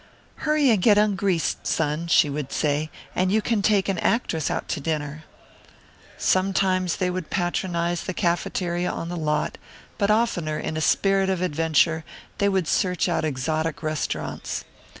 "Hurry and get ungreased, Son," she would say, "and you can take an actress out to dinner." Sometimes they would patronize the cafeteria on the lot, but oftener, in a spirit of adventure, they would search out exotic restaurants.